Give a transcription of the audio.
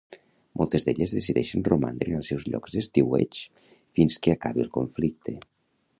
Moltes d'elles decideixen romandre en els seus llocs d'estiueig fins que acabi el conflicte.